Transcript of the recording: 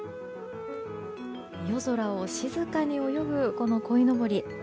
夜空を静かに泳ぐこのこいのぼり。